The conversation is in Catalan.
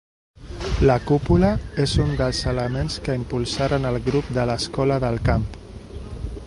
La cúpula és un dels elements que impulsaran el grup de l'Escola del Camp.